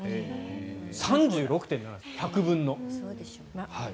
３６．７ｇ、１００分の。